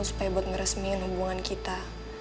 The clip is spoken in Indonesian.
supaya buat meresmiin hubungan kita